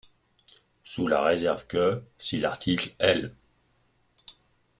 Sous la réserve que, si l’article L.